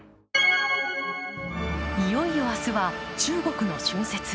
いよいよ明日は中国の春節。